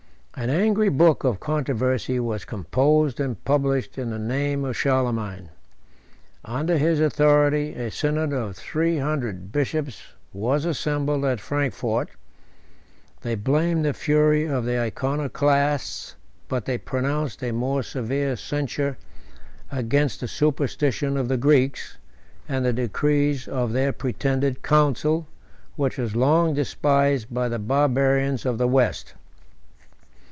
An angry book of controversy was composed and published in the name of Charlemagne: 82 under his authority a synod of three hundred bishops was assembled at Frankfort: 83 they blamed the fury of the Iconoclasts, but they pronounced a more severe censure against the superstition of the Greeks, and the decrees of their pretended council, which was long despised by the Barbarians of the West.